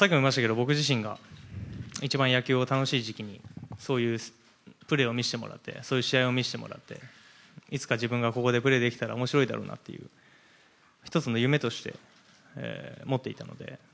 僕自身が一番野球が楽しい時期にそういうプレーを見せてもらってそういう試合を見せてもらっていつか自分がここでプレーできたら面白いだろうという１つの夢として持っていたので。